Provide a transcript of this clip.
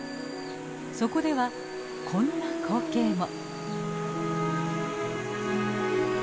そこではこんな光景も。